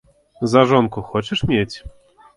За жонку хочаш мець?